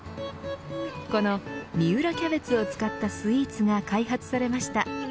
この三浦キャベツを使ったスイーツが開発されました。